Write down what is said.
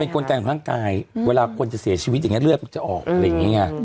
กลไกของร่างกายเวลาคนจะเสียชีวิตอย่างนี้เลือดมันจะออกอะไรอย่างนี้ไง